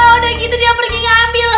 udah gitu dia pergi ngambil